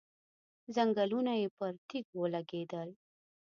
ځنګنونه يې پر تيږو ولګېدل.